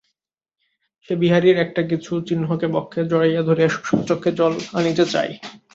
সে বিহারীর একটা-কিছু চিহ্নকে বক্ষে জড়াইয়া ধরিয়া শুষ্ক চক্ষে জল আনিতে চায়।